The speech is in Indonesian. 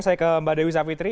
saya ke mbak dewi savitri